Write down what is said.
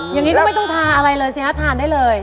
อย่างนี้ก็ไม่ต้องทาอะไรเลยสิฮะทานได้เลย